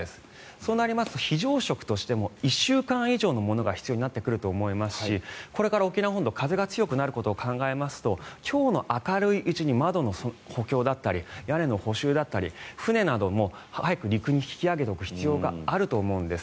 そうなりますと非常食としても１週間以上のものが必要になってくると思いますしこれから沖縄本島風が強くなることを考えますと今日の明るいうちに窓の補強だったり屋根の補修だったり船なども早く陸に引き上げておく必要があると思うんです。